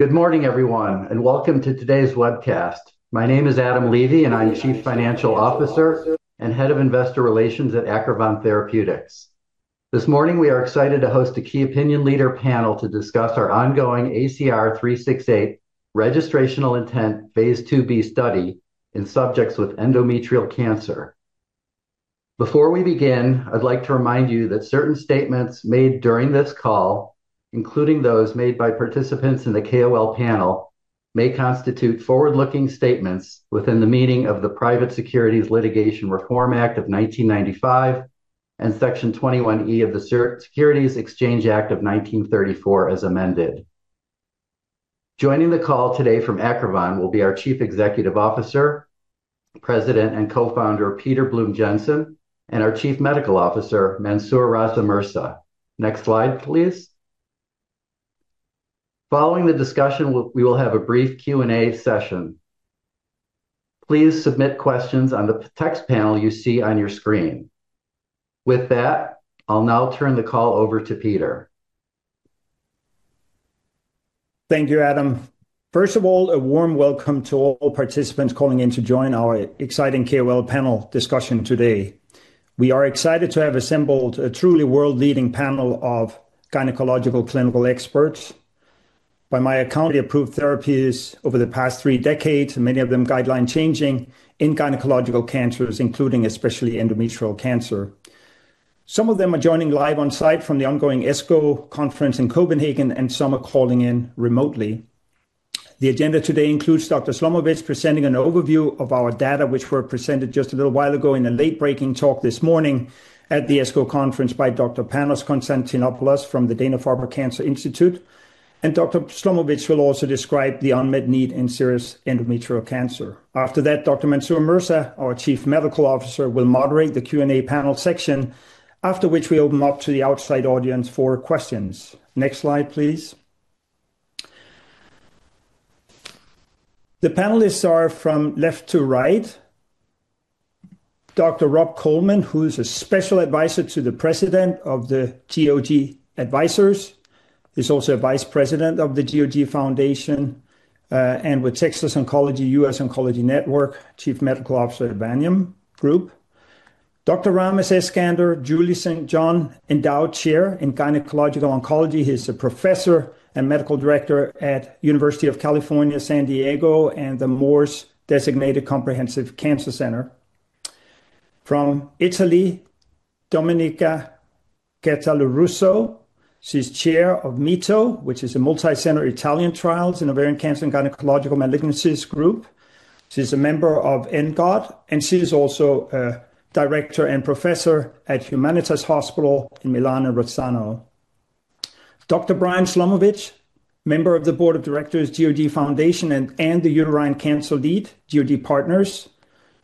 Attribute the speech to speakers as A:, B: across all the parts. A: Good morning, everyone, and welcome to today's webcast. My name is Adam Levy, and I'm Chief Financial Officer and Head of Investor Relations at Acrivon Therapeutics. This morning, we are excited to host a key opinion leader panel to discuss our ongoing ACR-368 registrational intent phase II-B study in subjects with endometrial cancer. Before we begin, I'd like to remind you that certain statements made during this call, including those made by participants in the KOL panel, may constitute forward-looking statements within the meaning of the Private Securities Litigation Reform Act of 1995 and Section 21E of the Securities Exchange Act of 1934, as amended. Joining the call today from Acrivon will be our Chief Executive Officer, President, and Co-founder, Peter Blume-Jensen, and our Chief Medical Officer, Mansoor Raza Mirza. Next slide, please. Following the discussion, we will have a brief Q&A session. Please submit questions on the text panel you see on your screen. With that, I'll now turn the call over to Peter.
B: Thank you, Adam. A warm welcome to all participants calling in to join our exciting KOL panel discussion today. We are excited to have assembled a truly world-leading panel of gynecological clinical experts. By my account, they approved therapies over the past three decades, and many of them guideline-changing in gynecological cancers, including especially endometrial cancer. Some of them are joining live on site from the ongoing ASCO conference in Copenhagen, and some are calling in remotely. The agenda today includes Dr. Slomovitz presenting an overview of our data, which were presented just a little while ago in a late-breaking talk this morning at the ASCO conference by Dr. Panos Konstantinopoulos from the Dana-Farber Cancer Institute, and Dr. Slomovitz will also describe the unmet need in serous endometrial cancer. Dr. Mansoor Raza Mirza, our Chief Medical Officer, will moderate the Q&A panel section, after which we open up to the outside audience for questions. Next slide, please. The panelists are, from left to right, Dr. Robert L. Coleman, who is a special advisor to the President of the GOG Advisors. He's also a Vice President of the GOG Foundation, and with Texas Oncology, US Oncology Network, Chief Medical Officer at Vaniam Group. Dr. Ramez N. Eskander, Julie St. John Endowed Chair in Gynecologic Oncology. He's a professor and medical director at University of California, San Diego, and the Moores Cancer Center. From Italy, Domenica Lorusso. She's chair of MITO, which is a Multicenter Italian Trials in Ovarian cancer and gynecologic malignancies group. She's a member of ENGOT. She is also a director and professor at Humanitas Research Hospital in Milano, Rozzano. Dr. Brian Slomovitz, member of the Board of Directors, GOG Foundation, and the Uterine Cancer Lead, GOG Partners.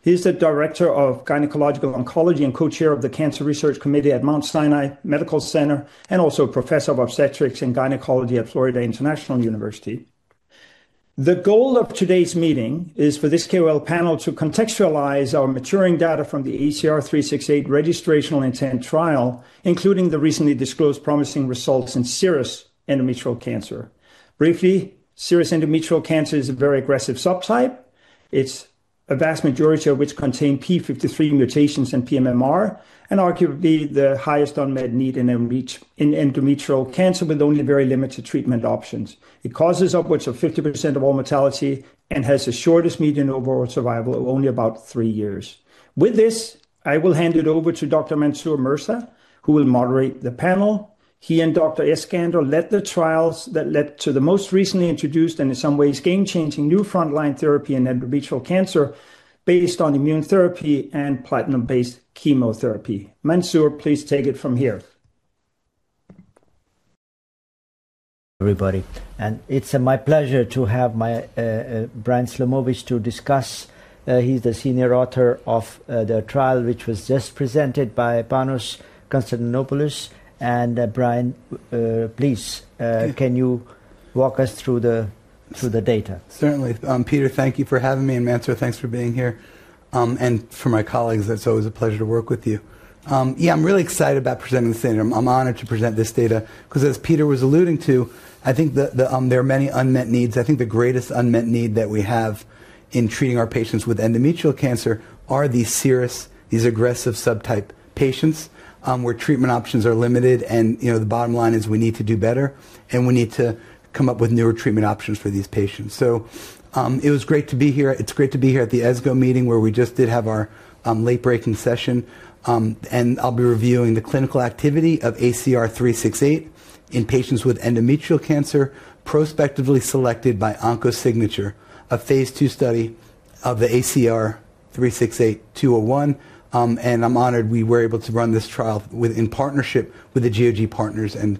B: He's the Director of Gynecological Oncology and Co-chair of the Cancer Research Committee at Mount Sinai Medical Center and also a professor of obstetrics and gynecology at Florida International University. The goal of today's meeting is for this KOL panel to contextualize our maturing data from the ACR-368 registrational intent trial, including the recently disclosed promising results in serous endometrial cancer. Briefly, serous endometrial cancer is a very aggressive subtype. It's a vast majority of which contain P53 mutations and pMMR, and arguably the highest unmet need in endometrial cancer, with only very limited treatment options. It causes upwards of 50% of all mortality and has the shortest median overall survival of only about three years. With this, I will hand it over to Dr. Mansoor Mirza, who will moderate the panel. He and Dr. Eskander led the trials that led to the most recently introduced, and in some ways, game-changing new frontline therapy in endometrial cancer based on immune therapy and platinum-based chemotherapy. Mansoor, please take it from here.
C: Everybody, it's my pleasure to have my Brian Slomovitz to discuss. He's the senior author of the trial, which was just presented by Panagiotis Konstantinopoulos. Brian, please, can you walk us through the data?
D: Certainly. Peter, thank you for having me, and Mansoor, thanks for being here. For my colleagues, it's always a pleasure to work with you. Yeah, I'm really excited about presenting this data. I'm honored to present this data because, as Peter was alluding to, I think there are many unmet needs. I think the greatest unmet need that we have in treating our patients with endometrial cancer are these serous, these aggressive subtype patients, where treatment options are limited and, you know, the bottom line is we need to do better, and we need to come up with newer treatment options for these patients. It was great to be here. It's great to be here at the ESGO meeting, where we just did have our late-breaking session. I'll be reviewing the clinical activity of ACR-368 in patients with endometrial cancer, prospectively selected by OncoSignature, a phase II study of the ACR-368-201. I'm honored we were able to run this trial in partnership with the GOG Partners and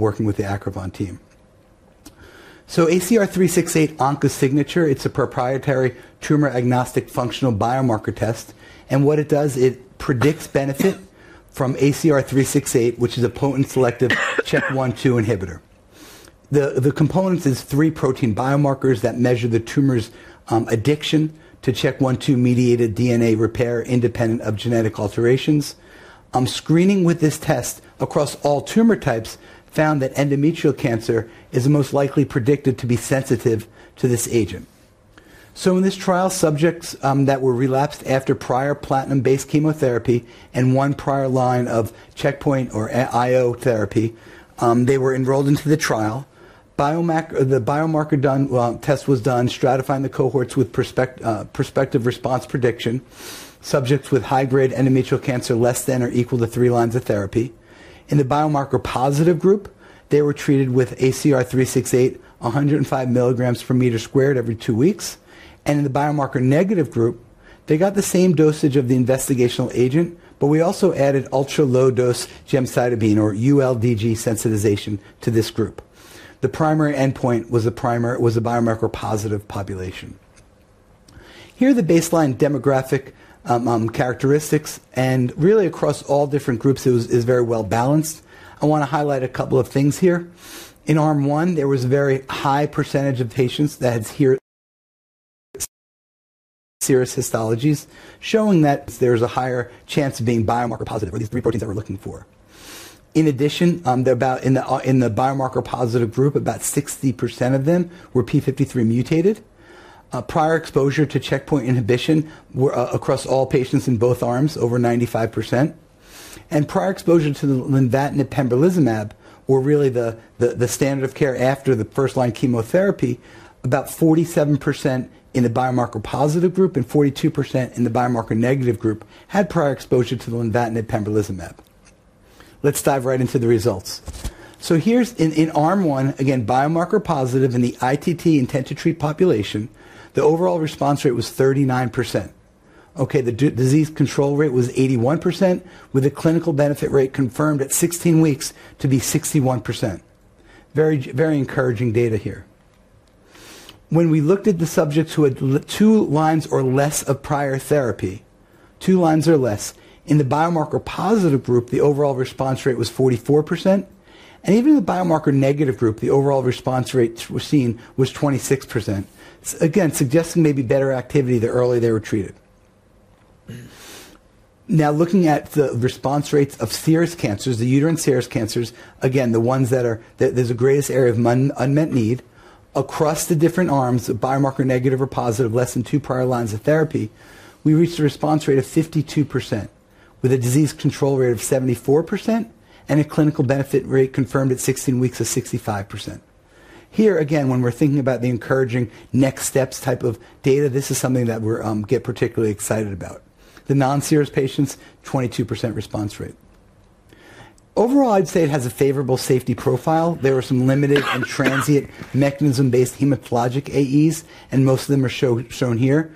D: working with the Acrivon team. ACR-368 OncoSignature, it's a proprietary tumor-agnostic functional biomarker test. What it does, it predicts benefit from ACR-368, which is a potent selective CHK1/2 inhibitor. The components is three protein biomarkers that measure the tumor's addiction to CHK1/2-mediated DNA repair independent of genetic alterations. Screening with this test across all tumor types found that endometrial cancer is most likely predicted to be sensitive to this agent. In this trial, subjects that were relapsed after prior platinum-based chemotherapy and one prior line of checkpoint or IO therapy, they were enrolled into the trial. The biomarker test was done, stratifying the cohorts with prospective response prediction, subjects with high-grade endometrial cancer, less than or equal to three lines of therapy. In the biomarker positive group, they were treated with ACR-368, 105 mg per meter squared every two weeks, and in the biomarker negative group, they got the same dosage of the investigational agent but we also added ultra-low-dose gemcitabine, or ULDG sensitization to this group. The primary endpoint was a biomarker-positive population. Here are the baseline demographic characteristics, and really, across all different groups, it was very well balanced. I want to highlight a couple of things here. In arm one, there was a very high percentage of patients that had serous histologies, showing that there's a higher chance of being biomarker positive for these three proteins that we're looking for. In addition, about, in the, in the biomarker-positive group, about 60% of them were P53 mutated. Prior exposure to checkpoint inhibition were across all patients in both arms, over 95%. Prior exposure to the nivolumab pembrolizumab were really the standard of care after the first-line chemotherapy. About 47% in the biomarker-positive group and 42% in the biomarker-negative group had prior exposure to the nivolumab pembrolizumab. Let's dive right into the results. Here's in arm one, again, biomarker positive in the ITT intent to treat population, the overall response rate was 39%. Okay, the disease control rate was 81%, with a clinical benefit rate confirmed at 16 weeks to be 61%. Very encouraging data here. We looked at the subjects who had two lines or less of prior therapy in the biomarker-positive group, the overall response rate was 44%, and even the biomarker-negative group, the overall response rate we're seeing was 26%. Suggesting maybe better activity the earlier they were treated. Looking at the response rates of serous cancers, the uterine serous cancers, again, the ones that there's the greatest area of unmet need. Across the different arms, the biomarker negative or positive, less than two prior lines of therapy, we reached a response rate of 52%, with a disease control rate of 74% and a clinical benefit rate confirmed at 16 weeks of 65%. Here, again, when we're thinking about the encouraging next steps type of data, this is something that we're get particularly excited about. The non-serous patients, 22% response rate. Overall, I'd say it has a favorable safety profile. There were some limited and transient mechanism-based hematologic AEs, and most of them are shown here.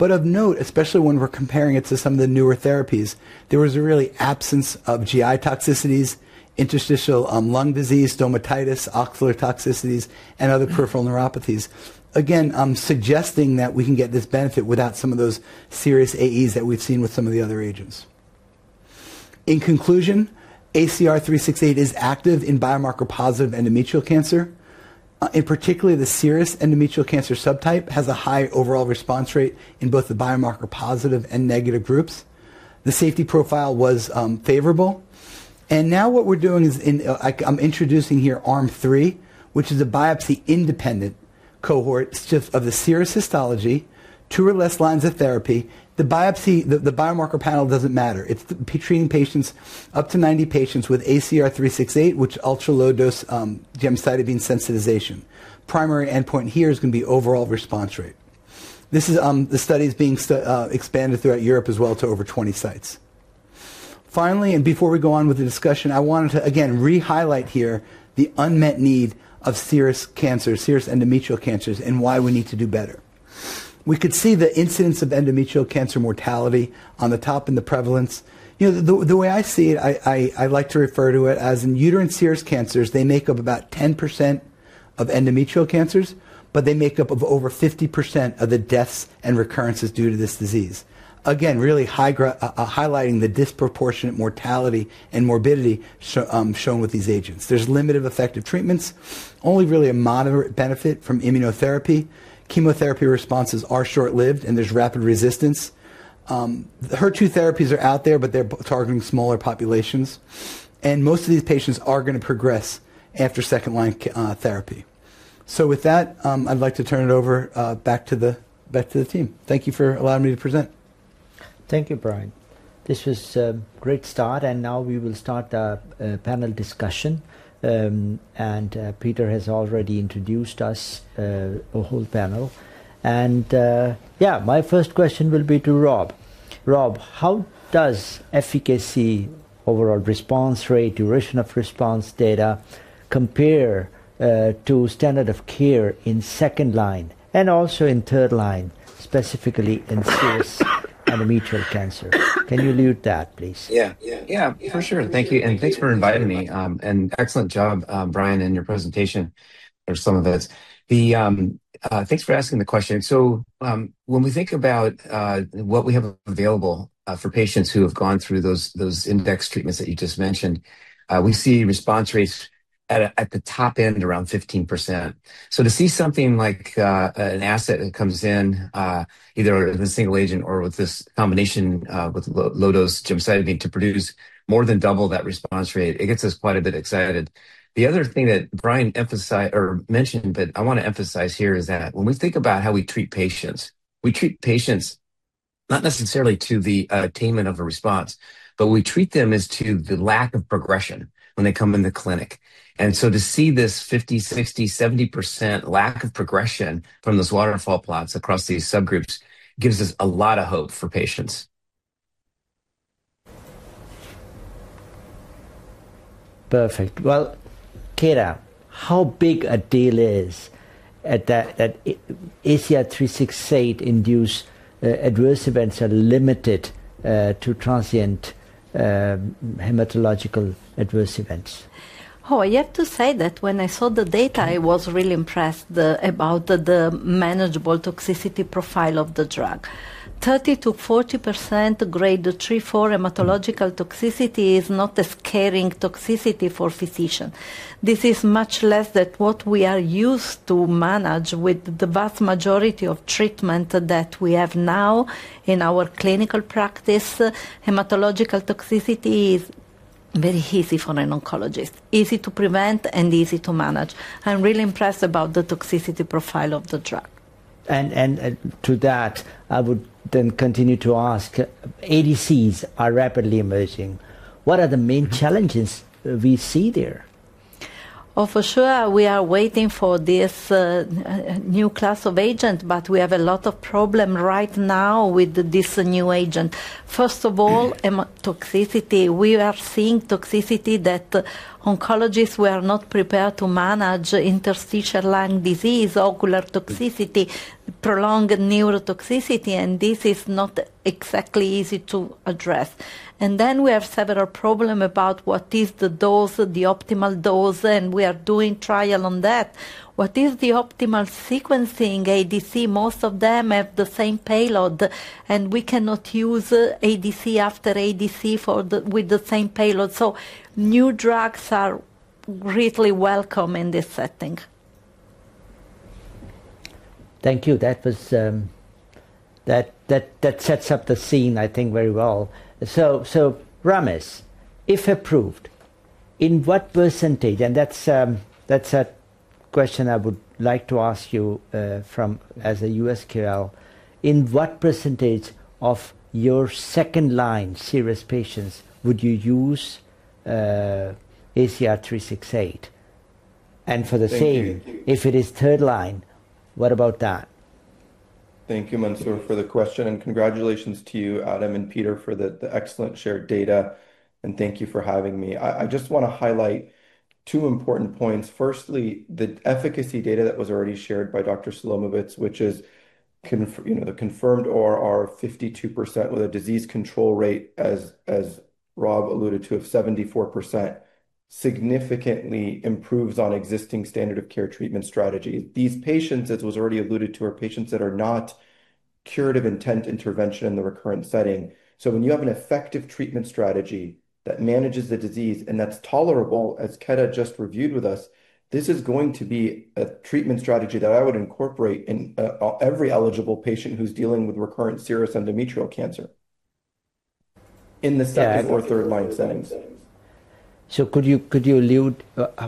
D: Of note, especially when we're comparing it to some of the newer therapies, there was a really absence of GI toxicities, interstitial lung disease, stomatitis, ocular toxicities, and other peripheral neuropathies. Again, I'm suggesting that we can get this benefit without some of those serious AEs that we've seen with some of the other agents. In conclusion, ACR-368 is active in biomarker-positive endometrial cancer. In particular, the serous endometrial cancer subtype has a high overall response rate in both the biomarker positive and negative groups. The safety profile was favorable. Now what we're doing is in, like I'm introducing here arm 3, which is a biopsy-independent cohort, just of the serous histology, two or less lines of therapy. The biopsy, the biomarker panel doesn't matter. It's the treating patients up to 90 patients with ACR-368, which ultra-low-dose gemcitabine sensitization. Primary endpoint here is gonna be overall response rate. This is the study is being expanded throughout Europe as well to over 20 sites. Finally, before we go on with the discussion, I wanted to again re-highlight here the unmet need of serous cancers, serous endometrial cancers, and why we need to do better. We could see the incidence of endometrial cancer mortality on the top and the prevalence. You know, the way I see it, I like to refer to it as in uterine serous cancers, they make up about 10% of endometrial cancers, but they make up of over 50% of the deaths and recurrences due to this disease. Really highlighting the disproportionate mortality and morbidity shown with these agents. There's limited effective treatments, only really a moderate benefit from immunotherapy. Chemotherapy responses are short-lived, there's rapid resistance. The HER2 therapies are out there, but they're targeting smaller populations, and most of these patients are gonna progress after second-line therapy. With that, I'd like to turn it over back to the team. Thank you for allowing me to present.
C: Thank you, Brian. This was a great start. Now we will start our panel discussion. Peter has already introduced us the whole panel. Yeah, my first question will be to Rob. Rob, how does efficacy, overall response rate, duration of response data compare to standard of care in second line and also in third line, specifically in serous endometrial cancer? Can you lead that, please?
E: Yeah. Yeah, for sure. Thank you, and thanks for inviting me. Excellent job, Brian, in your presentation for some of this. The, thanks for asking the question. When we think about what we have available for patients who have gone through those index treatments that you just mentioned, we see response rates at a, at the top end around 15%. To see something like an asset that comes in either as a single agent or with this combination with low-dose gemcitabine to produce more than double that response rate, it gets us quite a bit excited. The other thing that Brian emphasized or mentioned, I want to emphasize here, is that when we think about how we treat patients, we treat patients.... not necessarily to the attainment of a response, but we treat them as to the lack of progression when they come in the clinic. To see this 50%, 60%, 70% lack of progression from those waterfall plots across these subgroups gives us a lot of hope for patients.
C: Perfect. Well, Ketta, how big a deal is that ACR-368-induced adverse events are limited to transient hematological adverse events?
F: I have to say that when I saw the data, I was really impressed about the manageable toxicity profile of the drug. 30%-40% grade 3/4 hematological toxicity is not a scaring toxicity for physician. This is much less than what we are used to manage with the vast majority of treatment that we have now in our clinical practice. Hematological toxicity is very easy for an oncologist, easy to prevent and easy to manage. I'm really impressed about the toxicity profile of the drug.
C: To that, I would then continue to ask, ADCs are rapidly emerging. What are the main challenges we see there?
F: Oh, for sure, we are waiting for this new class of agent, but we have a lot of problem right now with this new agent.
C: Mm...
F: toxicity. We are seeing toxicity that oncologists were not prepared to manage, interstitial lung disease, ocular toxicity-
C: Mm
F: prolonged neurotoxicity, and this is not exactly easy to address. We have several problem about what is the dose, the optimal dose, and we are doing trial on that. What is the optimal sequencing ADC? Most of them have the same payload, and we cannot use ADC after ADC with the same payload. New drugs are greatly welcome in this setting.
C: Thank you. That was That sets up the scene, I think, very well. Ramez, if approved, in what percentage, and that's a question I would like to ask you, from, as a USQL, in what percentage of your second-line serous patients would you use, ACR-368?
G: Thank you.
C: if it is third line, what about that?
G: Thank you, Mansoor Raza Mirza, for the question. Congratulations to you, Adam and Peter, for the excellent shared data. Thank you for having me. I just wanna highlight two important points. Firstly, the efficacy data that was already shared by Dr. Slomovitz, which is, you know, the confirmed ORR, 52%, with a disease control rate as Robert L. Coleman alluded to, of 74%, significantly improves on existing standard of care treatment strategies. These patients, as was already alluded to, are patients that are not curative intent intervention in the recurrent setting. When you have an effective treatment strategy that manages the disease and that's tolerable, as Ketta just reviewed with us, this is going to be a treatment strategy that I would incorporate in every eligible patient who's dealing with recurrent serous endometrial cancer in the 2nd or 3rd line settings.
C: could you allude,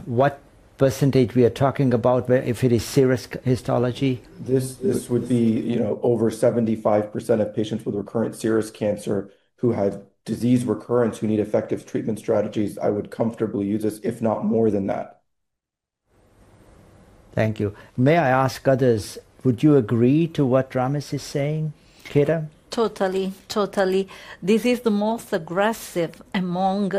C: what percentage we are talking about where if it is serous histology?
G: This would be, you know, over 75% of patients with recurrent serous cancer who have disease recurrence, who need effective treatment strategies. I would comfortably use this, if not more than that.
C: Thank you. May I ask others, would you agree to what Ramez is saying, Ketta?
F: Totally. This is the most aggressive among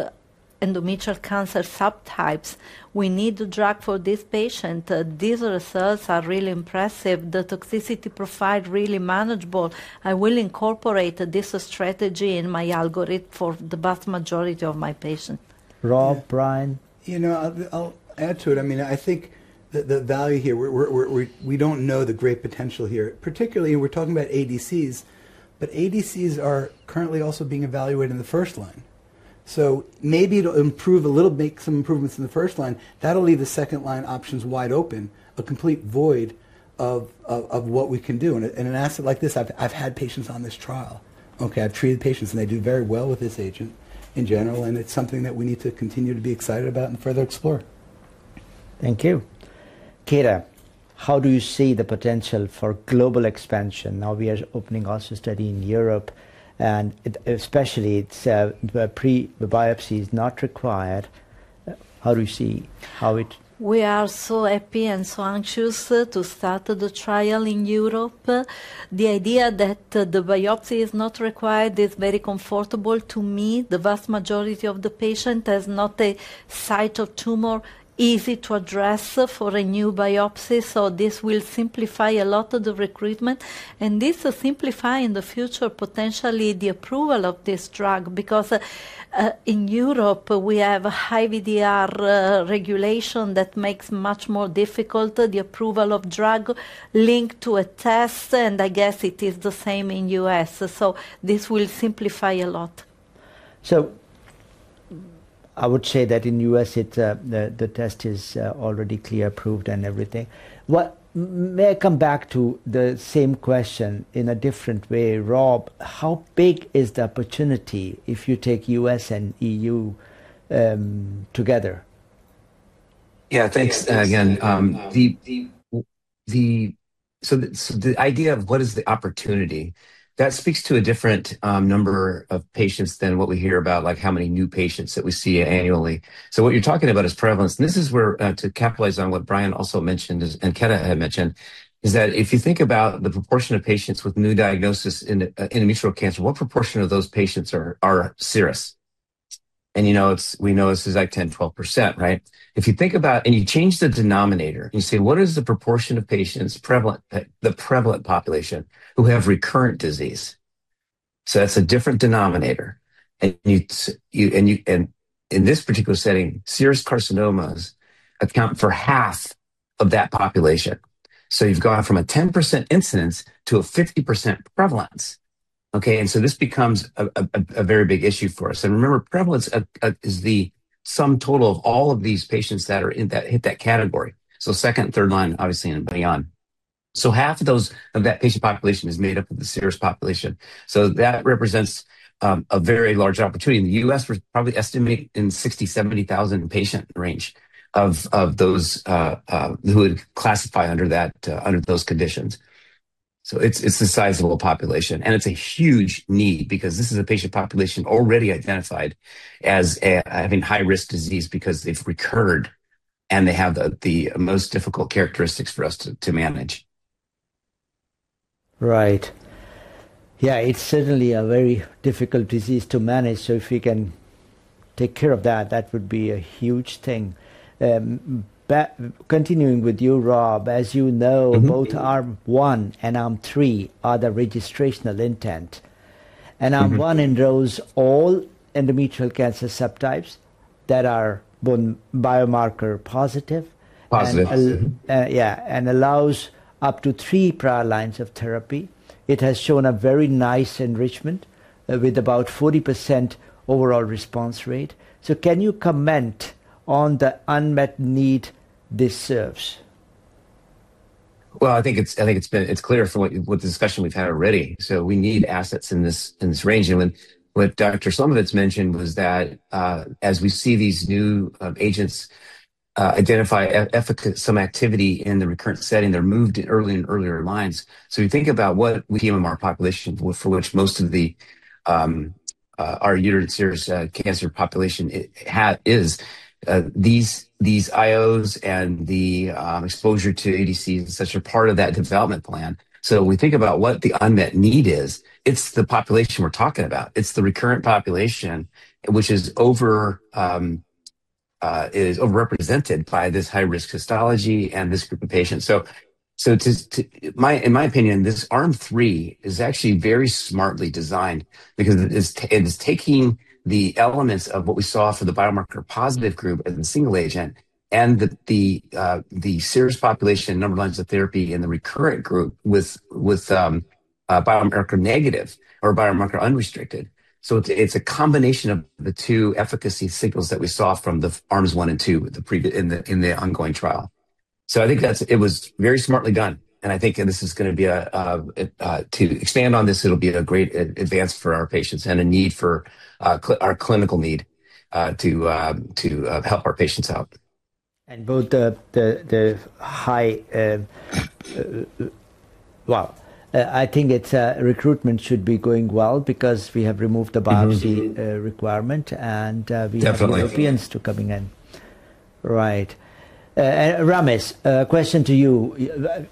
F: endometrial cancer subtypes. We need the drug for this patient. These results are really impressive. The toxicity profile, really manageable. I will incorporate this strategy in my algorithm for the vast majority of my patients.
C: Rob, Brian?
D: You know, I'll add to it. I mean, I think the value here, we don't know the great potential here, particularly we're talking about ADCs, but ADCs are currently also being evaluated in the first line. Maybe it'll improve a little, make some improvements in the first line. That'll leave the second line options wide open, a complete void of what we can do. An asset like this, I've had patients on this trial, okay? I've treated patients, and they do very well with this agent in general, and it's something that we need to continue to be excited about and further explore.
C: Thank you. Ketta, how do you see the potential for global expansion? Now, we are opening also study in Europe, it especially it's the biopsy is not required. How do you see how it...
F: We are so happy and so anxious to start the trial in Europe. The idea that the biopsy is not required is very comfortable to me. The vast majority of the patient has not a site of tumor easy to address for a new biopsy, so this will simplify a lot of the recruitment. This simplify in the future, potentially, the approval of this drug, because in Europe, we have a high IVDR regulation that makes much more difficult the approval of drug linked to a test, and I guess it is the same in US. This will simplify a lot.
C: I would say that in U.S., the test is already clear, approved, and everything. May I come back to the same question in a different way, Rob? How big is the opportunity if you take U.S. and EU together?
E: Yeah, thanks again. The idea of what is the opportunity, that speaks to a different number of patients than what we hear about, like, how many new patients that we see annually. What you're talking about is prevalence, and this is where to capitalize on what Brian also mentioned is, and Ketta had mentioned, is that if you think about the proportion of patients with new diagnosis in endometrial cancer, what proportion of those patients are serous? You know, it's, we know this is, like, 10%, 12%, right? You change the denominator, and you say: What is the proportion of patients prevalent, the prevalent population who have recurrent disease? That's a different denominator. In this particular setting, serous carcinomas account for half of that population. You've gone from a 10% incidence to a 50% prevalence, okay? This becomes a very big issue for us. Remember, prevalence is the sum total of all of these patients that are in that, hit that category. Second, third line, obviously, and beyond. Half of that patient population is made up of the serous population. That represents a very large opportunity. In the U.S., we're probably estimating 60,000-70,000 patient range of those who would classify under that under those conditions. It's a sizable population, and it's a huge need because this is a patient population already identified as having high-risk disease because they've recurred, and they have the most difficult characteristics for us to manage.
C: Right. Yeah, it's certainly a very difficult disease to manage, so if we can take care of that would be a huge thing. Continuing with you, Rob, as you know...
E: Mm-hmm
C: both arm 1 and arm 3 are the registrational intent.
E: Mm-hmm.
C: Arm 1 enrolls all endometrial cancer subtypes that are bone biomarker positive.
E: Positive.
C: Yeah, and allows up to three prior lines of therapy. It has shown a very nice enrichment, with about 40% overall response rate. Can you comment on the unmet need this serves?
E: I think it's been clear from what the discussion we've had already. We need assets in this range. What Dr. Slomovitz mentioned was that as we see these new agents identify efficacy, some activity in the recurrent setting, they're moved in early and earlier lines. We think about what the MMR population for which most of the our uterine serous cancer population have, is. These IOs and the exposure to ADCs and such are part of that development plan. When we think about what the unmet need is, it's the population we're talking about. It's the recurrent population, which is overrepresented by this high-risk histology and this group of patients. In my opinion, this arm three is actually very smartly designed because it's taking the elements of what we saw for the biomarker positive group as a single agent and the serous population, number of lines of therapy in the recurrent group with biomarker negative or biomarker unrestricted. It's a combination of the two efficacy signals that we saw from the arms one and two in the ongoing trial. I think it was very smartly done, and I think this is gonna be a great advance for our patients and a need for our clinical need to help our patients out.
C: Both the high. Well, I think its recruitment should be going well because we have removed the biopsy-.
E: Mm-hmm...
C: requirement.
E: Definitely
C: We have Europeans, too, coming in. Right. Ramez, a question to you.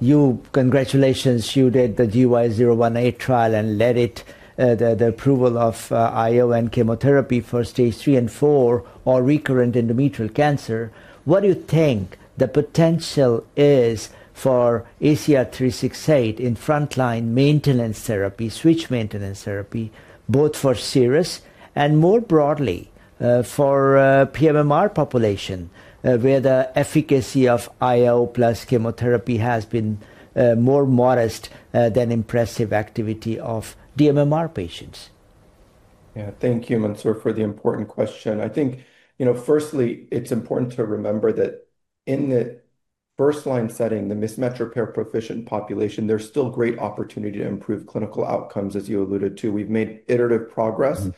C: You, congratulations, you did the NRG-GY018 trial and led it, the approval of IO and chemotherapy for stage three and four or recurrent endometrial cancer. What do you think the potential is for ACR-368 in frontline maintenance therapy, switch maintenance therapy, both for serous and, more broadly, for pMMR population, where the efficacy of IO plus chemotherapy has been more modest than impressive activity of dMMR patients?
G: Yeah. Thank you, Mansur, for the important question. I think, you know, firstly, it's important to remember that in the first line setting, the mismatch repair proficient population, there's still great opportunity to improve clinical outcomes, as you alluded to. We've made iterative progress-
C: Mm-hmm.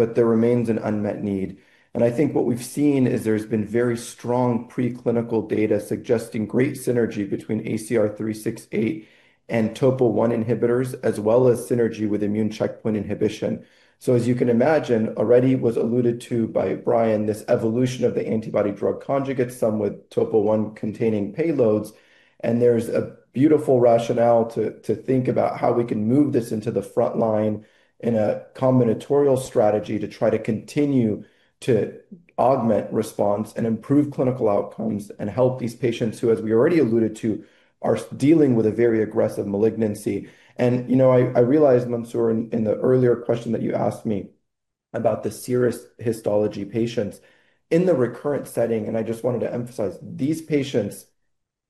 G: There remains an unmet need. I think what we've seen is there's been very strong preclinical data suggesting great synergy between ACR-368 and TOPO1 inhibitors, as well as synergy with immune checkpoint inhibition. As you can imagine, already was alluded to by Brian, this evolution of the antibody drug conjugates, some with TOPO1 containing payloads, and there's a beautiful rationale to think about how we can move this into the front line in a combinatorial strategy to try to continue to augment response and improve clinical outcomes and help these patients who, as we already alluded to, are dealing with a very aggressive malignancy. You know, I realized, Mansoor, in the earlier question that you asked me about the serous histology patients, in the recurrent setting, and I just wanted to emphasize, these patients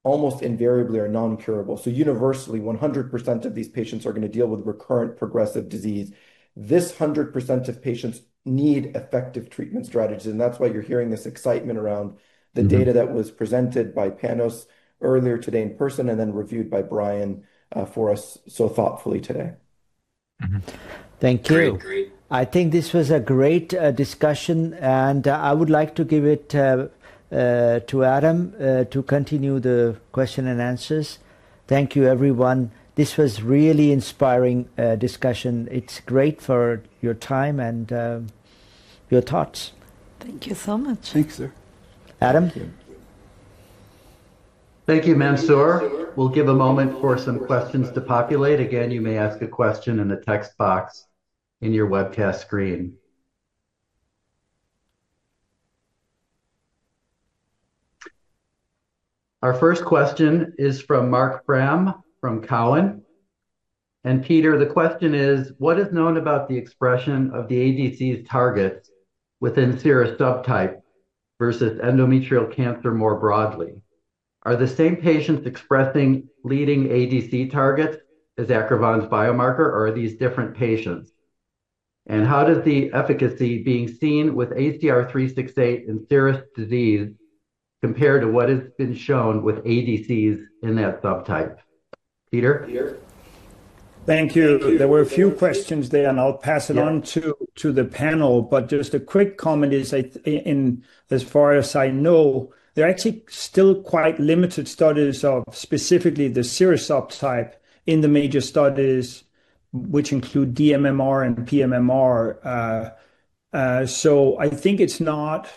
G: almost invariably are non-curable. Universally, 100% of these patients are gonna deal with recurrent progressive disease. This 100% of patients need effective treatment strategies. That's why you're hearing this excitement around.
C: Mm-hmm
G: the data that was presented by Panos earlier today in person and then reviewed by Brian, for us so thoughtfully today.
C: Mm-hmm. Thank you. I think this was a great discussion, and I would like to give it to Adam to continue the question and answers. Thank you, everyone. This was really inspiring discussion. It's great for your time and your thoughts.
G: Thank you so much.
D: Thanks, sir.
C: Adam?
A: Thank you, Mansoor. We'll give a moment for some questions to populate. Again, you may ask a question in the text box in your webcast screen. Our first question is from Marc Frahm from Cowen. Peter, the question is: What is known about the expression of the ADC's targets within serous subtype versus endometrial cancer more broadly? Are the same patients expressing leading ADC targets as Acrivon's biomarker, or are these different patients? How does the efficacy being seen with ACR-368 in serous disease compare to what has been shown with ADCs in that subtype? Peter?
B: Thank you. There were a few questions there.
A: Yeah...
B: on to the panel. Just a quick comment is I in as far as I know, there are actually still quite limited studies of specifically the serous subtype in the major studies, which include dMMR and pMMR. I think it's not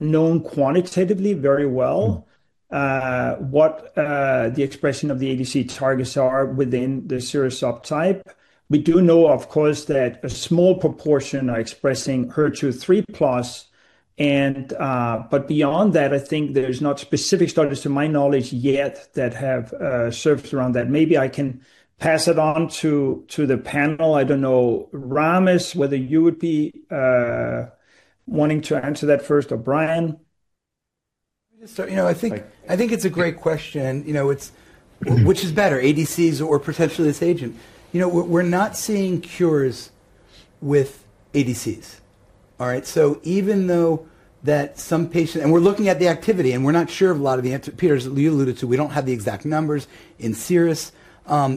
B: known quantitatively very well.
A: Mm-hmm...
B: what, the expression of the ADC targets are within the serous subtype. We do know, of course, that a small proportion are expressing HER2 3+, and, but beyond that, I think there's not specific studies, to my knowledge yet, that have surfaced around that. Maybe I can pass it on to the panel. I don't know, Ramez, whether you would be wanting to answer that first or Brian?
D: you know, I think it's a great question. You know.
B: Mm-hmm
D: which is better, ADCs or potentially this agent? You know, we're not seeing cures with ADCs. All right? Even though that some patient and we're looking at the activity, and we're not sure of a lot of the answer. Peter, you alluded to, we don't have the exact numbers in serous.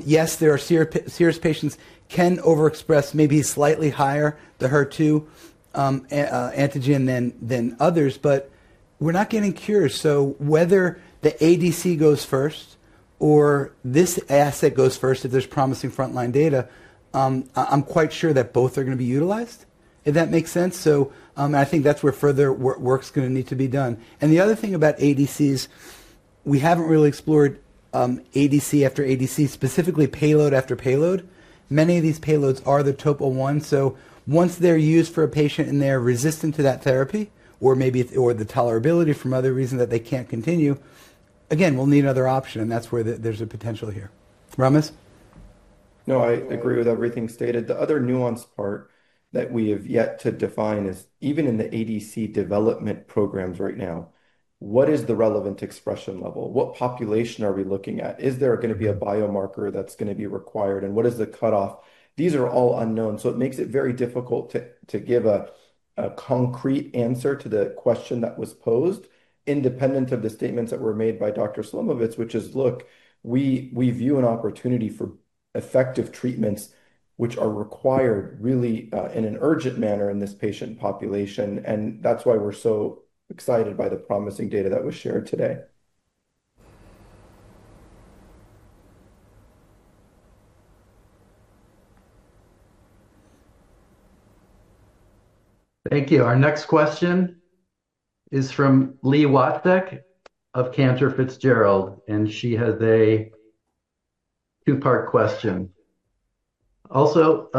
D: Yes, there are serous patients can overexpress maybe slightly higher the HER2 antigen than others, but we're not getting cures. Whether the ADC goes first or this asset goes first, if there's promising frontline data, I'm quite sure that both are gonna be utilized, if that makes sense. And I think that's where further work's gonna need to be done. The other thing about ADCs, we haven't really explored ADC after ADC, specifically payload after payload. Many of these payloads are the TOPO1, so once they're used for a patient and they're resistant to that therapy, or maybe or the tolerability from other reason that they can't continue, again, we'll need another option, and that's where there's a potential here. Ramez?
G: No, I agree with everything stated. The other nuanced part that we have yet to define is, even in the ADC development programs right now, what is the relevant expression level? What population are we looking at? Is there going to be a biomarker that's going to be required, and what is the cutoff? These are all unknown, so it makes it very difficult to give a concrete answer to the question that was posed, independent of the statements that were made by Dr. Slomovitz, which is, look, we view an opportunity for effective treatments which are required really in an urgent manner in this patient population, and that's why we're so excited by the promising data that was shared today.
A: Thank you. Our next question is from Li Watsek of Cantor Fitzgerald, and she has a two-part question. Would you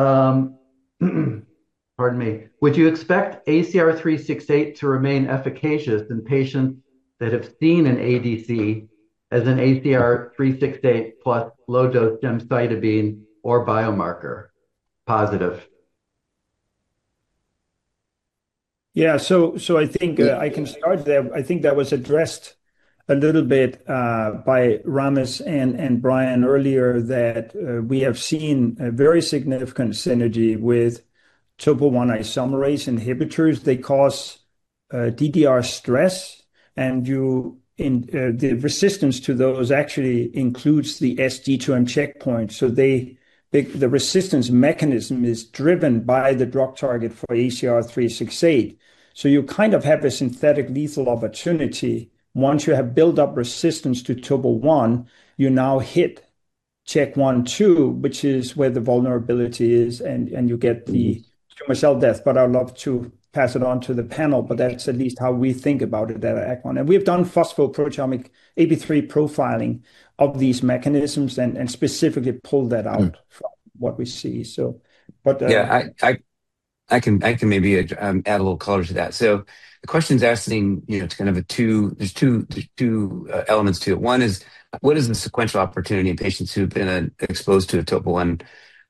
A: expect ACR-368 to remain efficacious in patients that have seen an ADC as an ACR-368 plus low-dose gemcitabine or biomarker positive?
B: Yeah. I think
A: Yeah
B: I can start there. I think that was addressed a little bit by Ramez and Brian earlier, that we have seen a very significant synergy with TOPO1 isomerase inhibitors. They cause DDR stress, and you, in, the resistance to those actually includes the G2/M checkpoint. The resistance mechanism is driven by the drug target for ACR-368. You kind of have a synthetic lethal opportunity. Once you have built up resistance to TOPO1, you now hit CHK1/2, which is where the vulnerability is, and you get the tumor cell death. I'd love to pass it on to the panel, but that's at least how we think about it at Acrivon. We have done phosphoproteomic AP3 profiling of these mechanisms and specifically pulled that out-
D: Mm
B: from what we see.
E: Yeah, I can maybe add a little color to that. The question is asking, you know, it's kind of a two, there's two elements to it. One is, what is the sequential opportunity in patients who've been exposed to a TOPO1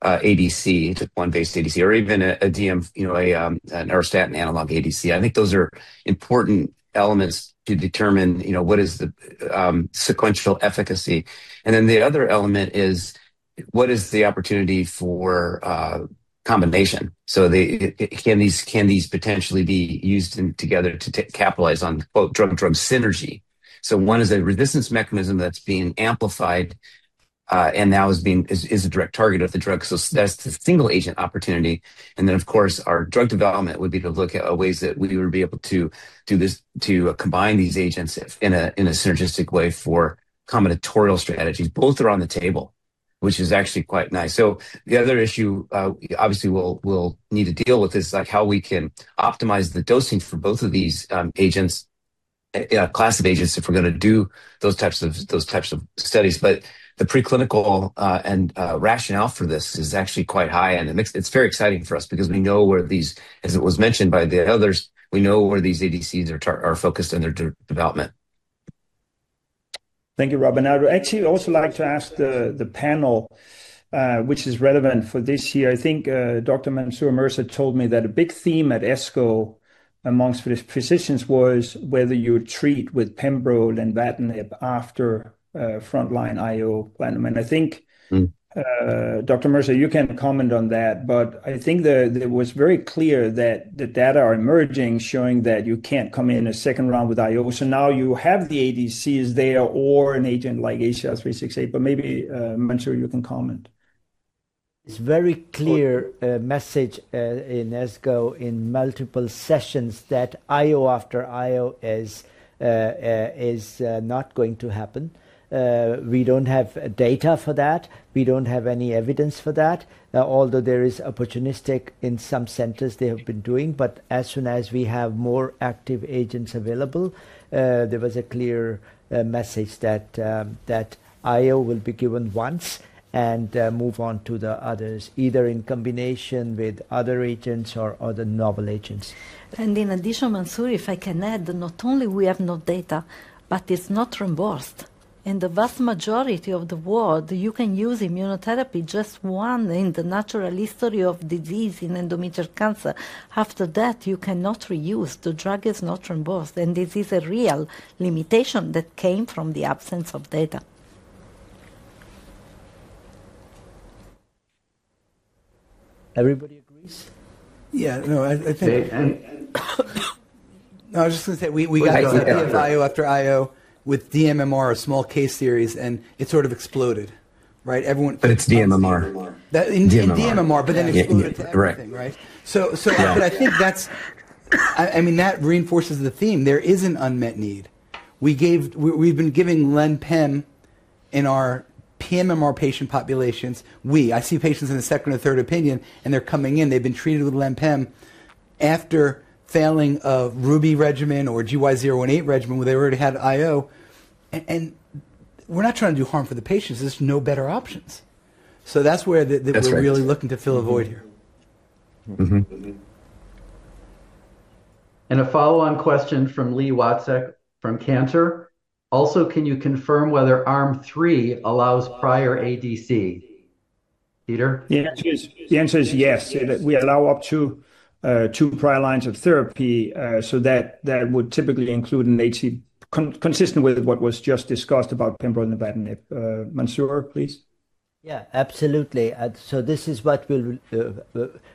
E: ADC, TOPO1-based ADC, or even a DM, you know, an auristatin analog ADC? I think those are important elements to determine, you know, what is the sequential efficacy. The other element is, what is the opportunity for combination? Can these potentially be used in together to capitalize on, quote, "drug-drug synergy"? One is a resistance mechanism that's being amplified.... and now is being a direct target of the drug. That's the single agent opportunity, of course, our drug development would be to look at ways that we would be able to do this, to combine these agents if in a synergistic way for combinatorial strategies. Both are on the table, which is actually quite nice. The other issue, we obviously we'll need to deal with is, like, how we can optimize the dosing for both of these agents, class of agents, if we're going to do those types of studies. The preclinical, and rationale for this is actually quite high, and it's very exciting for us because we know where these, as it was mentioned by the others, we know where these ADCs are focused in their development.
B: Thank you, Rob. I would actually also like to ask the panel, which is relevant for this year. I think, Dr. Mansoor Raza Mirza told me that a big theme at ASCO amongst physicians was whether you would treat with pembro and nivolumab after frontline IO platinum. I think.
E: Mm.
B: Dr. Mansoor Raza Mirza, you can comment on that, but I think it was very clear that the data are emerging, showing that you can't come in a second round with IO. Now you have the ADCs there or an agent like ACR-368, but maybe Mansoor, you can comment.
C: It's very clear message in ASCO in multiple sessions that IO after IO is not going to happen. We don't have data for that. We don't have any evidence for that. There is opportunistic in some centers they have been doing, as soon as we have more active agents available, there was a clear message that IO will be given once and move on to the others, either in combination with other agents or other novel agents.
F: In addition, Mansur, if I can add, not only we have no data, but it's not reimbursed. In the vast majority of the world, you can use immunotherapy, just one in the natural history of disease in endometrial cancer. After that, you cannot reuse. The drug is not reimbursed, and this is a real limitation that came from the absence of data.
C: Everybody agrees?
D: Yeah. No, I.
E: And, and-
D: No, I was just gonna say we.
C: Go ahead.
D: got IO after IO with dMMR, a small case series, and it sort of exploded, right? Everyone-
E: it's dMMR.
B: dMMR.
D: dMMR.
E: Yeah.
D: It exploded to everything.
E: Correct.
D: Right?
E: Yeah.
D: But I think that's, I mean, that reinforces the theme. There is an unmet need. We've been giving len/pemb in our pMMR patient populations. We, I see patients in the second or third opinion, and they're coming in. They've been treated with len/pemb after failing a RUBY regimen or a GY018 regimen, where they already had IO. And we're not trying to do harm for the patients. There's no better options. That's where the.
E: That's right....
D: the, we're really looking to fill a void here.
E: Mm-hmm.
B: Mm-hmm.
A: A follow-on question from Li Watsek, from Cantor Fitzgerald: "Also, can you confirm whether arm 3 allows prior ADC? Peter?
B: The answer is, the answer is yes. We allow up to two prior lines of therapy, so that would typically include an AC consistent with what was just discussed about pembro and nivolumab. Mansur, please.
C: Absolutely.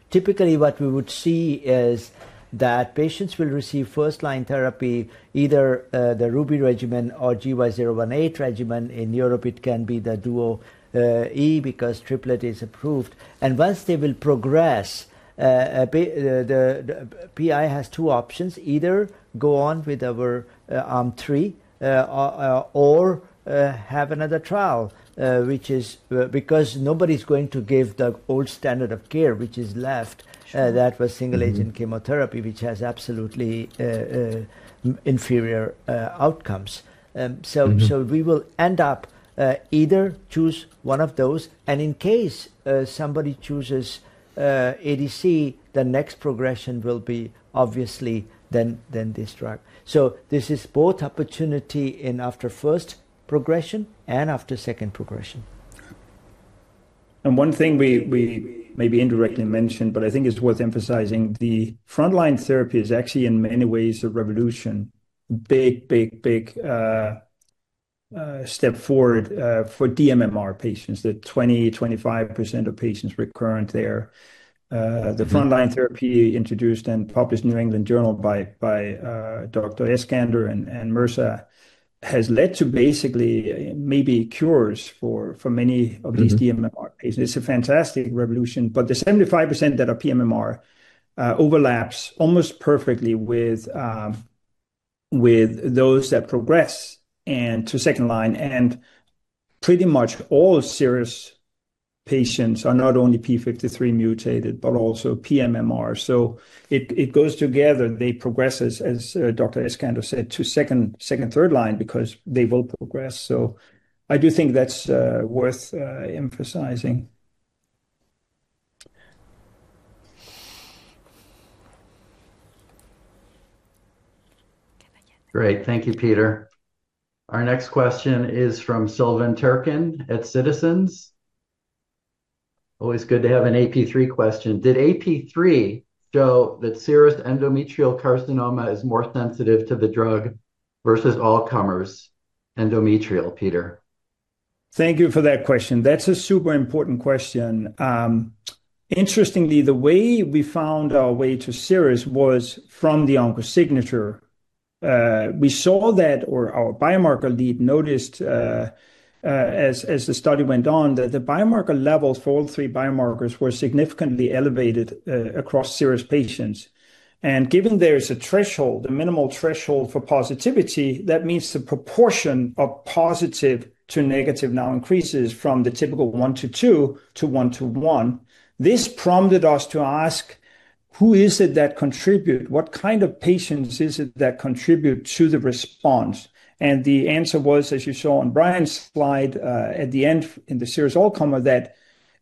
C: Typically, what we would see is that patients will receive first-line therapy, either the RUBY regimen or GY018 regimen. In Europe, it can be the DUO-E because triplet is approved. Once they will progress, the PI has two options: either go on with our arm 3, or have another trial, which is because nobody's going to give the old standard of care, which is left-.
B: Sure
C: that was single-agent chemotherapy, which has absolutely inferior outcomes.
A: Mm-hmm...
C: We will end up, either choose one of those, and in case, somebody chooses, ADC, the next progression will be obviously then this drug. This is both opportunity in after first progression and after second progression.
B: One thing we maybe indirectly mentioned, but I think it's worth emphasizing, the frontline therapy is actually, in many ways, a revolution. Big, big, big step forward for dMMR patients, the 20-25% of patients recurrent there.
A: Mm-hmm...
B: the frontline therapy introduced and published in The New England Journal of Medicine by Dr. Eskander and Mirza, has led to basically maybe cures for many of these.
A: Mm-hmm
B: DMMR patients. It's a fantastic revolution, the 75% that are pMMR overlaps almost perfectly with those that progress to second line. Pretty much all serous patients are not only P53 mutated, but also pMMR. It goes together. They progress, as Dr. Eskander said, to second, third line, because they will progress. I do think that's worth emphasizing.
A: Great. Thank you, Peter. Our next question is from Silvan Tuerkcan at Citizens. Always good to have an AP3 question: "Did AP3 show that serous endometrial carcinoma is more sensitive to the drug versus all comers endometrial, Peter?
B: Thank you for that question. That's a super important question. Interestingly, the way we found our way to serous was from the OncoSignature. We saw that or our biomarker lead noticed, as the study went on, that the biomarker levels for all three biomarkers were significantly elevated across serous patients. Given there is a threshold, a minimal threshold for positivity, that means the proportion of positive to negative now increases from the typical one to two to one to one. This prompted us to ask: who is it that contribute? What kind of patients is it that contribute to the response? The answer was, as you saw on Brian's slide, at the end in the serous all comer, that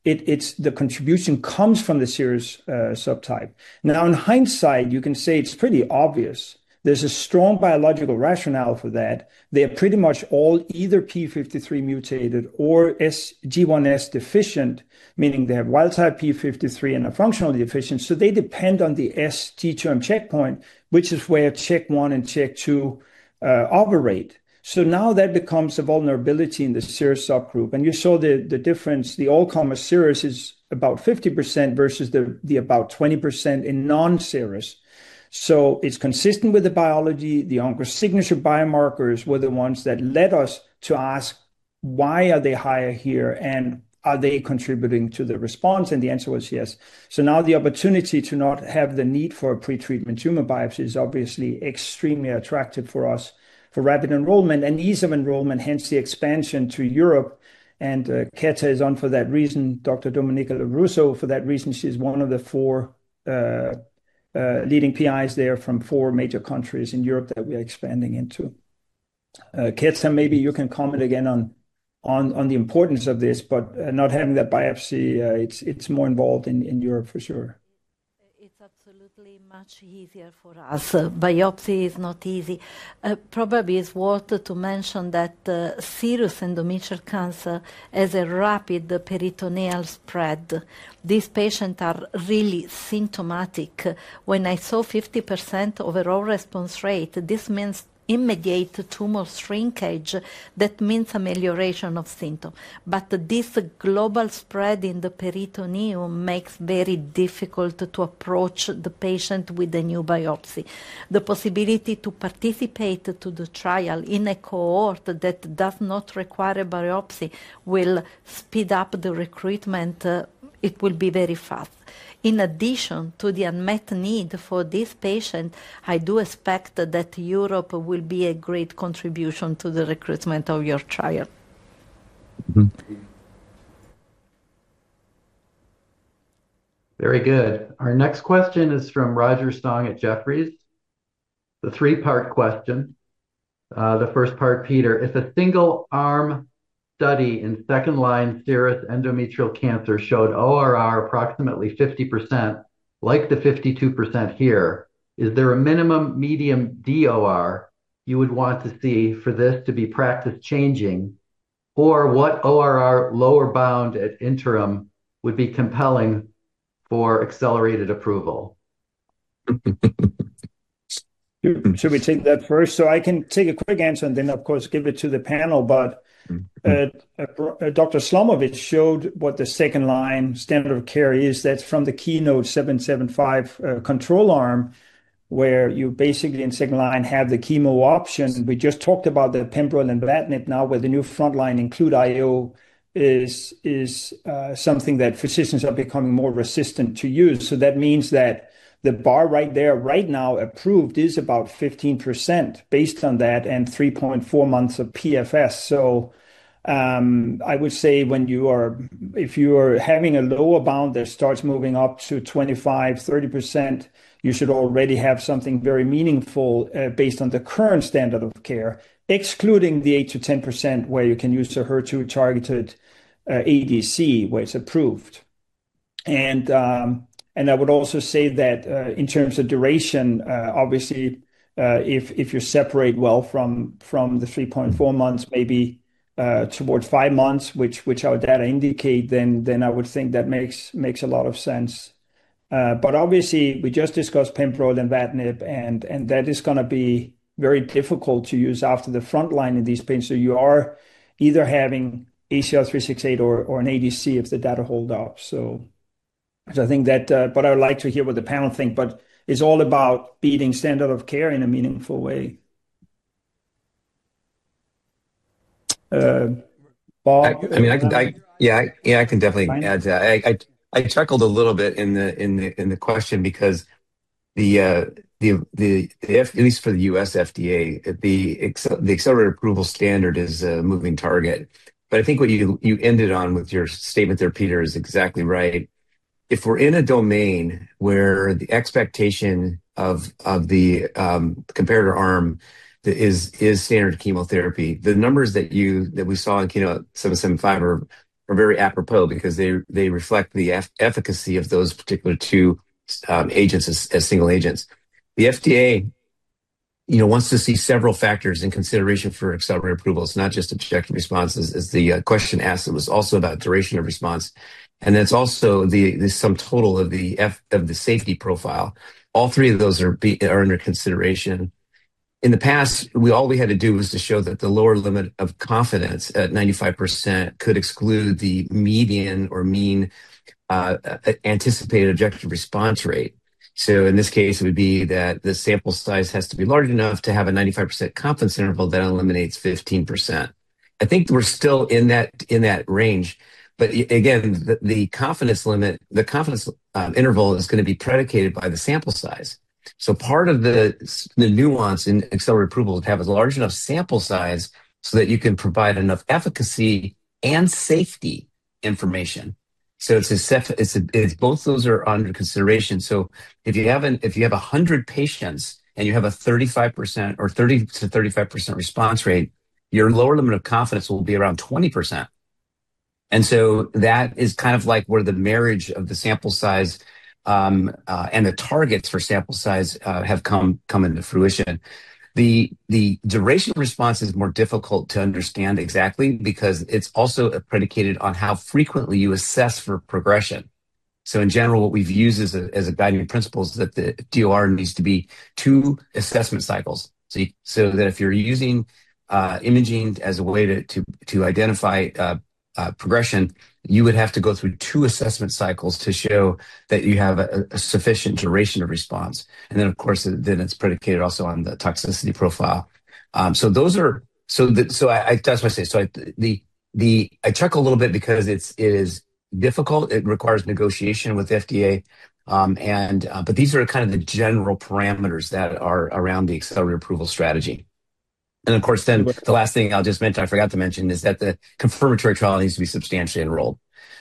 B: it's the contribution comes from the serous subtype. In hindsight, you can say it's pretty obvious. There's a strong biological rationale for that. They are pretty much all either P53 mutated or ARID1A deficient, meaning they have wild type P53 and are functionally deficient, they depend on the S G term checkpoint, which is where CHK1 and CHK2 operate. Now that becomes a vulnerability in the serous subgroup. You saw the difference. The all comer serous is about 50% versus the about 20% in non-serous. It's consistent with the biology. The OncoSignature biomarkers were the ones that led us to ask, why are they higher here, and are they contributing to the response? The answer was yes. Now the opportunity to not have the need for a pre-treatment tumor biopsy is obviously extremely attractive for us for rapid enrollment and ease of enrollment, hence the expansion to Europe. Ketta is on for that reason, Dr. Domenica Lorusso, for that reason, she's one of the four leading PIs there from four major countries in Europe that we are expanding into. Ketta, maybe you can comment again on the importance of this, but not having that biopsy, it's more involved in Europe for sure.
F: It's absolutely much easier for us. Biopsy is not easy. Probably it's worth to mention that serous endometrial cancer has a rapid peritoneal spread. These patients are really symptomatic. When I saw 50% overall response rate, this means immediate tumor shrinkage, that means amelioration of symptom. This global spread in the peritoneum makes very difficult to approach the patient with a new biopsy. The possibility to participate to the trial in a cohort that does not require a biopsy will speed up the recruitment. It will be very fast. In addition to the unmet need for this patient, I do expect that Europe will be a great contribution to the recruitment of your trial.
B: Mm-hmm.
A: Very good. Our next question is from Roger Song at Jefferies. It's a 3-part question. The first part, Peter, if a single-arm study in second-line serous endometrial cancer showed ORR approximately 50%, like the 52% here, is there a minimum medium DOR you would want to see for this to be practice-changing? What ORR lower bound at interim would be compelling for accelerated approval?
B: Should we take that first? I can take a quick answer and then, of course, give it to the panel.
A: Mm-hmm.
B: Dr. Slomovitz showed what the second-line standard of care is. That's from the KEYNOTE-775 control arm, where you basically in second-line have the chemo option. We just talked about the pembrolizumab and nivolumab now, where the new front-line include IO is something that physicians are becoming more resistant to use. That means that the bar right there, right now approved, is about 15% based on that, and 3.4 months of PFS. I would say when if you are having a lower bound that starts moving up to 25%, 30%, you should already have something very meaningful based on the current standard of care, excluding the 8%-10%, where you can use the HER2-targeted ADC, where it's approved. I would also say that in terms of duration, obviously, if you separate well from the 3.4 months, maybe towards five months, which our data indicate, then I would think that makes a lot of sense. Obviously, we just discussed pembrolizumab and nivolumab, and that is gonna be very difficult to use after the front line in these patients. You are either having ACR-368 or an ADC if the data hold out. I think that, but I would like to hear what the panel think, but it's all about beating standard of care in a meaningful way. Bob?
E: I mean, I can Yeah, yeah, I can definitely add to that. I chuckled a little bit in the question because at least for the U.S. FDA, the accelerated approval standard is a moving target. I think what you ended on with your statement there, Peter, is exactly right. If we're in a domain where the expectation of the comparator arm is standard chemotherapy, the numbers that we saw in KEYNOTE-775 are very apropos because they reflect the efficacy of those particular two agents as single agents. The FDA, you know, wants to see several factors in consideration for accelerated approval. It's not just objective responses, as the question asked, it was also about duration of response, and it's also the sum total of the safety profile. All three of those are under consideration. In the past, all we had to do was to show that the lower limit of confidence at 95% could exclude the median or mean anticipated objective response rate. In this case, it would be that the sample size has to be large enough to have a 95% confidence interval that eliminates 15%. I think we're still in that, in that range, but again, the confidence interval is gonna be predicated by the sample size. Part of the nuance in accelerated approval is to have a large enough sample size so that you can provide enough efficacy and safety information. It's both those are under consideration. If you have 100 patients, and you have a 35% or 30%-35% response rate, your lower limit of confidence will be around 20%. That is kind of like where the marriage of the sample size and the targets for sample size have come into fruition. The duration response is more difficult to understand exactly because it's also predicated on how frequently you assess for progression. In general, what we've used as a guiding principle is that the DOR needs to be two assessment cycles. That if you're using imaging as a way to identify progression, you would have to go through two assessment cycles to show that you have a sufficient duration of response. Of course, then it's predicated also on the toxicity profile. That's what I say. I chuckle a little bit because it is difficult. It requires negotiation with FDA, these are kind of the general parameters that are around the accelerated approval strategy. Of course, the last thing I'll just mention, I forgot to mention, is that the confirmatory trial needs to be substantially enrolled.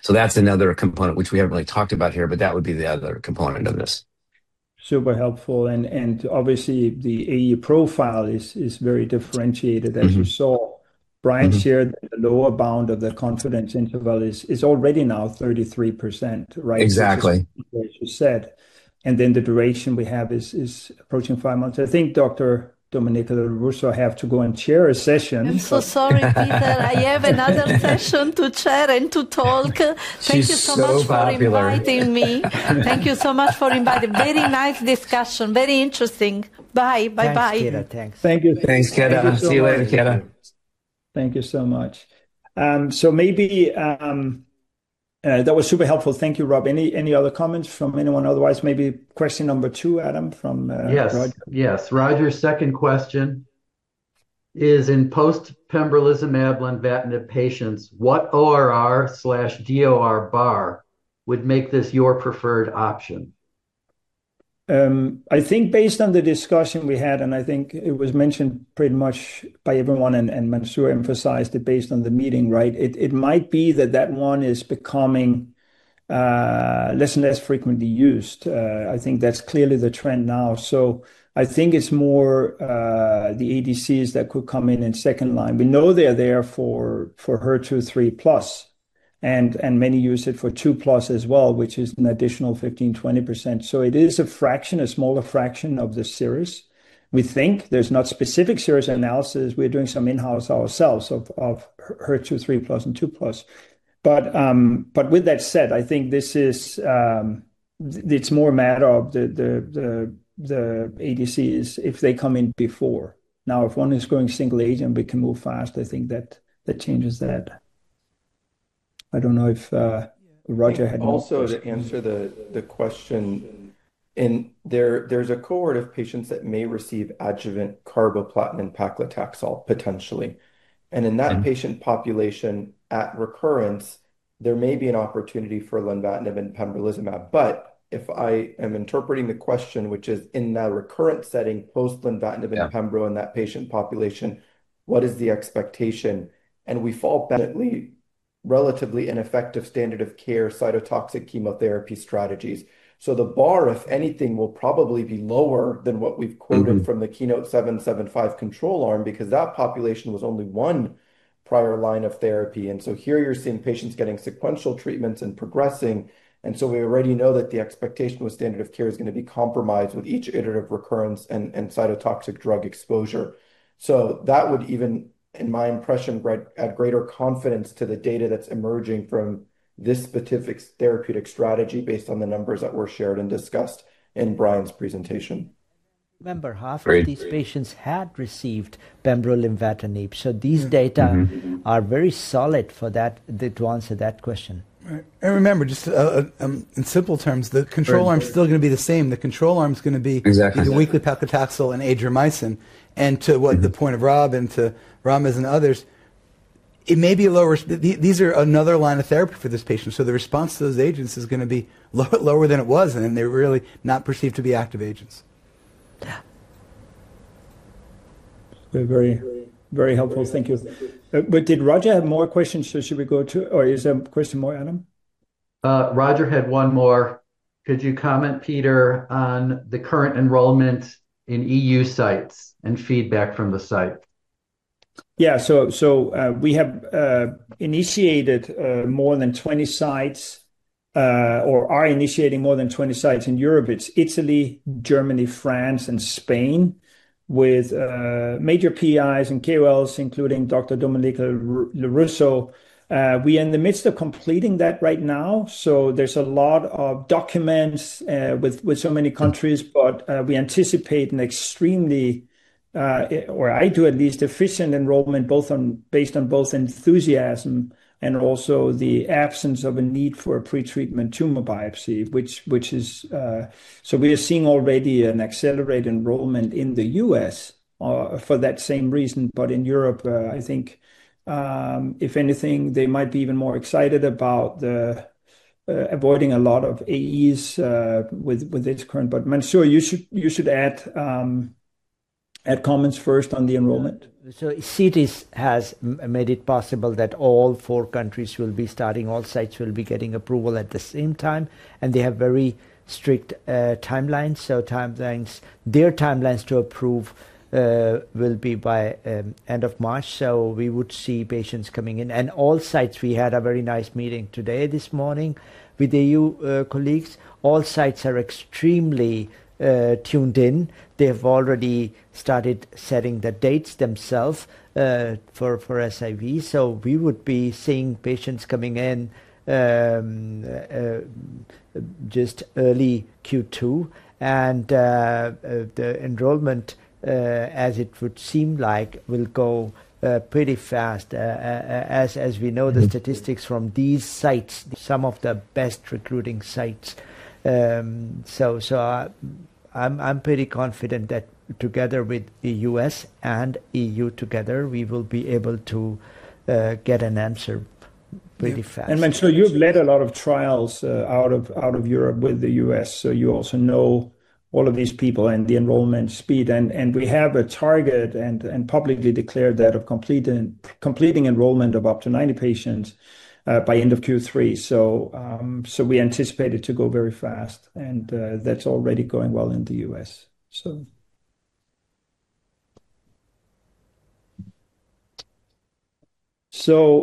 E: That's another component which we haven't really talked about here, but that would be the other component of this.
B: Super helpful, and obviously, the AE profile is very differentiated, as you saw.
E: Mm-hmm.
B: Brian shared the lower bound of the confidence interval is already now 33%, right?
E: Exactly.
B: As you said, and then the duration we have is approaching five months. I think Dr. Domenica Lorusso have to go and chair a session.
F: I'm so sorry, Peter. I have another session to chair and to talk.
B: She's so popular.
F: Thank you so much for inviting me. Thank you so much for inviting. Very nice discussion. Very interesting. Bye. Bye-bye.
C: Thanks, Kira. Thanks.
B: Thank you.
E: Thanks, Kira. See you later, Kira.
B: Thank you so much. Maybe that was super helpful. Thank you, Rob. Any other comments from anyone? Otherwise, maybe question number two, Adam, from.
A: Yes. Yes. Roger's second question: Is in post-pembrolizumab and lenvatinib patients, what ORR/DOR bar would make this your preferred option?
B: I think based on the discussion we had, and I think it was mentioned pretty much by everyone, and Mansur emphasized it based on the meeting, right? It might be that that one is becoming less and less frequently used. I think that's clearly the trend now. I think it's more the ADCs that could come in in second line. We know they're there for HER2 3+, and many use it for 2+ as well, which is an additional 15%-20%. It is a fraction, a smaller fraction of the series. We think there's not specific series analysis. We're doing some in-house ourselves of HER2 3+ and 2+. With that said, I think it's more a matter of the ADCs if they come in before. If one is going single agent, we can move fast. I think that changes that. I don't know if Roger had more.
G: To answer the question, there's a cohort of patients that may receive adjuvant carboplatin and paclitaxel, potentially.
B: Mm-hmm.
G: In that patient population at recurrence, there may be an opportunity for lenvatinib and pembrolizumab. If I am interpreting the question, which is in that recurrent setting, post-lenvatinib-
B: Yeah
G: Pembro in that patient population, what is the expectation? We fall back at least relatively ineffective standard of care, cytotoxic chemotherapy strategies. The bar, if anything, will probably be lower than what we've quoted.
B: Mm-hmm...
G: from the KEYNOTE-775 control arm, because that population was only one prior line of therapy. Here you're seeing patients getting sequential treatments and progressing, we already know that the expectation with standard of care is gonna be compromised with each iterative recurrence and cytotoxic drug exposure. That would even, in my impression, right, add greater confidence to the data that's emerging from this specific therapeutic strategy based on the numbers that were shared and discussed in Brian's presentation.
C: Remember, half of these patients had received Pembro lenvatinib, so these data-.
E: Mm-hmm
C: are very solid for that, to answer that question.
D: Right. Remember, just in simple terms, the control arm is still gonna be the same.
E: Exactly
D: the weekly paclitaxel and Adriamycin. To what the point of Rob and to Ramas and others, it may be lower. These are another line of therapy for this patient, the response to those agents is gonna be lower than it was, and they're really not perceived to be active agents.
B: Yeah. Very, very, very helpful. Thank you. Did Roger have more questions, or is there a question more, Adam?
A: Roger had one more. Could you comment, Peter, on the current enrollment in EU sites and feedback from the site?
B: We have initiated more than 20 sites or are initiating more than 20 sites in Europe. It's Italy, Germany, France, and Spain, with major PIs and KOLs, including Dr. Domenica Lorusso. We are in the midst of completing that right now, there's a lot of documents with so many countries. We anticipate an extremely, or I do at least, efficient enrollment, based on both enthusiasm and also the absence of a need for a pre-treatment tumor biopsy, which is. We are seeing already an accelerated enrollment in the U.S. for that same reason. In Europe, I think, if anything, they might be even more excited about the avoiding a lot of AEs with its current. Mansoor, you should add comments first on the enrollment.
C: CTIS has made it possible that all four countries will be starting, all sites will be getting approval at the same time, and they have very strict timelines. Timelines, their timelines to approve will be by end of March. We would see patients coming in. All sites, we had a very nice meeting today, this morning, with the EU colleagues. All sites are extremely tuned in. They've already started setting the dates themselves for SIV. We would be seeing patients coming in just early Q2. The enrollment, as it would seem like, will go pretty fast. As we know, the statistics from these sites, some of the best recruiting sites. I'm pretty confident that together with the U.S. EU together, we will be able to get an answer pretty fast.
B: Mansoor, you've led a lot of trials out of, out of Europe with the U.S., so you also know all of these people and the enrollment speed. We have a target and publicly declared that of completing enrollment of up to 90 patients by end of Q3. We anticipate it to go very fast, that's already going well in the U.S.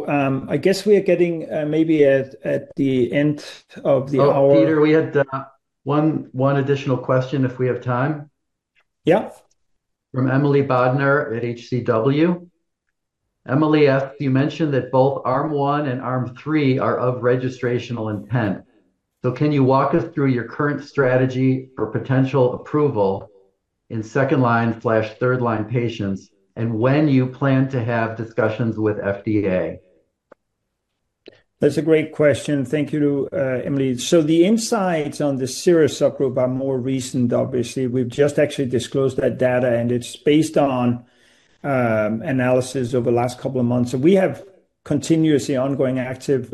B: I guess we are getting maybe at the end of the hour.
A: Peter, we had one additional question, if we have time.
B: Yeah.
A: From Emily Bodnar at HCW. Emily asked, "You mentioned that both arm 1 and arm 3 are of registrational intent. Can you walk us through your current strategy for potential approval in second line/third line patients, and when you plan to have discussions with FDA?
B: That's a great question. Thank you, Emily. The insights on the serous subgroup are more recent, obviously. We've just actually disclosed that data, and it's based on analysis over the last couple of months. We have continuously ongoing active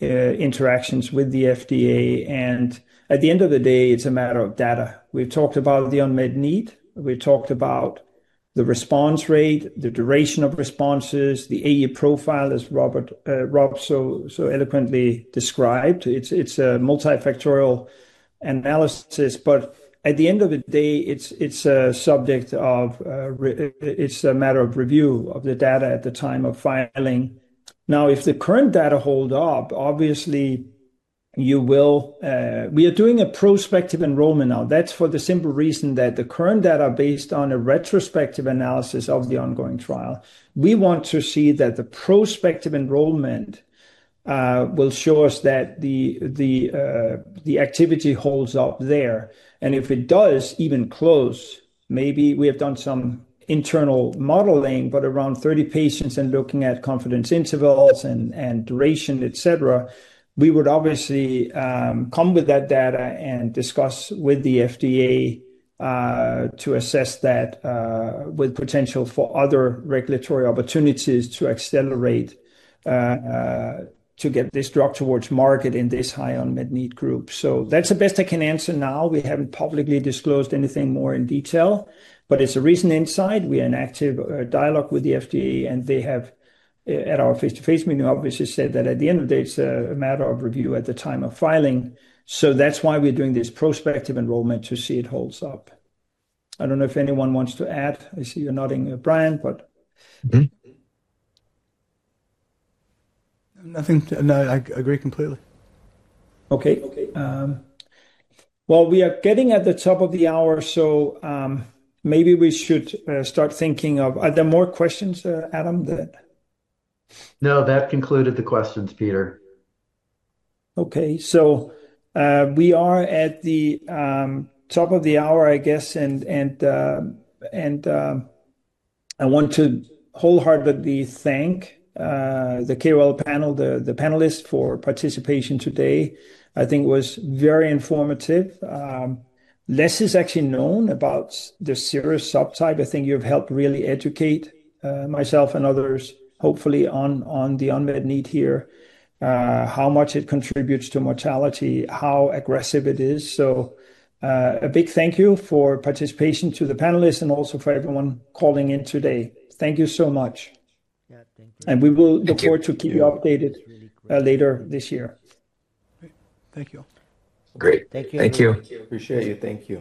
B: interactions with the FDA, and at the end of the day, it's a matter of data. We've talked about the unmet need, we've talked about the response rate, the duration of responses, the AE profile, as Rob Coleman so eloquently described. It's a multifactorial analysis, but at the end of the day, it's a subject of review of the data at the time of filing. If the current data hold up, obviously you will. We are doing a prospective enrollment now. That's for the simple reason that the current data are based on a retrospective analysis of the ongoing trial. We want to see that the prospective enrollment will show us that the activity holds up there. If it does, even close, maybe we have done some internal modeling, but around 30 patients and looking at confidence intervals and duration, et cetera, we would obviously come with that data and discuss with the FDA to assess that with potential for other regulatory opportunities to accelerate to get this drug towards market in this high unmet need group. That's the best I can answer now. We haven't publicly disclosed anything more in detail, but it's a recent insight. We are in active dialogue with the FDA, and they have, at our face-to-face meeting, obviously said that at the end of the day, it's a matter of review at the time of filing. That's why we're doing this prospective enrollment to see it holds up. I don't know if anyone wants to add. I see you're nodding, Brian, but-
D: Mm-hmm. Nothing. No, I agree completely.
B: Okay. well, we are getting at the top of the hour, maybe we should start thinking of. Are there more questions, Adam?
A: No, that concluded the questions, Peter.
B: Okay. We are at the top of the hour, I guess, and I want to wholeheartedly thank the KOL panel, the panelists for participation today. I think it was very informative. Less is actually known about the serous subtype. I think you've helped really educate myself and others, hopefully, on the unmet need here, how much it contributes to mortality, how aggressive it is. A big thank you for participation to the panelists and also for everyone calling in today. Thank you so much.
C: Yeah, thank you.
B: we.
D: Thank you....
B: look forward to keep you updated later this year.
D: Thank you.
A: Great.
C: Thank you.
D: Thank you.
A: Appreciate you. Thank you.